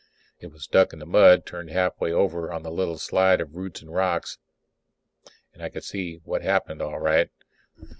It was stuck in the mud, turned halfway over on the little slide of roots and rocks, and I could see what had happened, all right.